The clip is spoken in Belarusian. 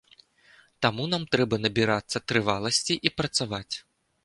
Таму нам трэба набірацца трываласці і працаваць.